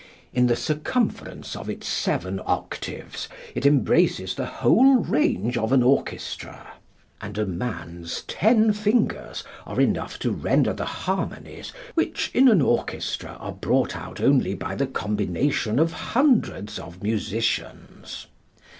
In the circumference of its seven octaves it embraces the whole range of an orchestra, and a man's ten fingers are enough to render the harmonies which in an orchestra are brought out only by the combination of hundreds of musicians.